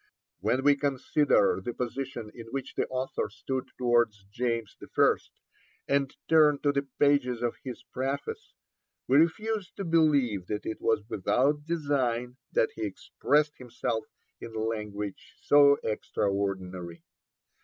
When we consider the position in which the author stood towards James I. and turn to the pages of his Preface, we refuse to believe that it was without design that he expressed himself in language so extraordinary.